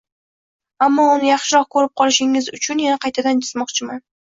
ammo uni yaxshiroq ko ‘rib olishingiz uchun yana qaytadan chizmoqchiman.